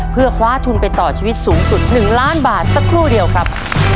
เพื่อคว้าทุนไปต่อชีวิตสูงสุด๑ล้านบาทสักครู่เดียวครับ